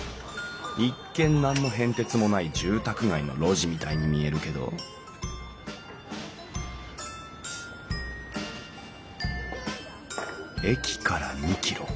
一見何の変哲もない住宅街の路地みたいに見えるけど駅から２キロ。